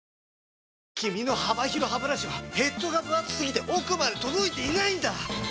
君の幅広ハブラシはヘッドがぶ厚すぎて奥まで届いていないんだ！